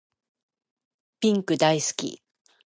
ピンク大好き